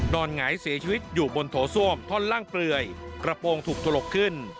หงายเสียชีวิตอยู่บนโถส้วมท่อนล่างเปลือยกระโปรงถูกถลกขึ้น